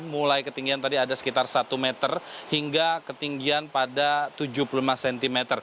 mulai ketinggian tadi ada sekitar satu meter hingga ketinggian pada tujuh puluh lima cm